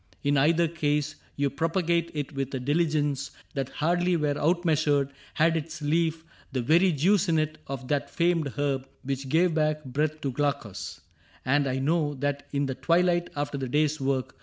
In either case. You propagate it with a diligence That hardly were outmeasured had its leaf The very juice in it of that famed herb Which gave back breath to Glaucus ; and I know That in the twilight, after the day's work.